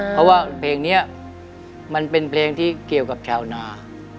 เพราะว่าเพลงนี้มันเป็นเพลงที่เกี่ยวกับชาวนา